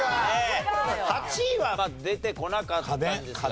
８位はまあ出てこなかったんですが。